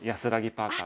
パーカー。